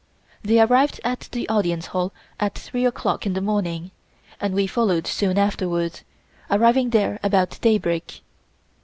They arrived at the Audience Hall at three o'clock in the morning, and we followed soon afterwards, arriving there about daybreak.